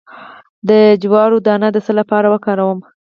د جوار دانه د څه لپاره وکاروم؟